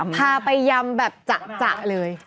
พาไปยำแบบจะเลย